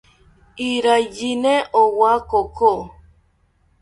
Iraiyini owa koko